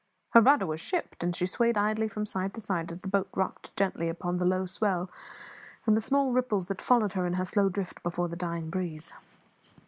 Her rudder was shipped, and swayed idly from side to side as the boat rocked gently upon the low swell and the small ripples that followed her in her slow drift before the dying breeze.